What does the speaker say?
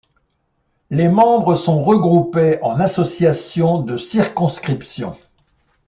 Les membres sont regroupés en associations de circonscription.